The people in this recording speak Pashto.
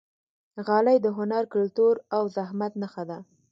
غالۍ د هنر، کلتور او زحمت نښه ده.